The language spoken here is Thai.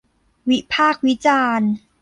วิพากษ์วิจารณ์